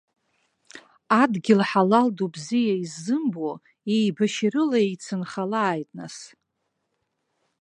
Адгьыл ҳалал ду бзиа иззымбо еибашьарыла еицынхалааит нас.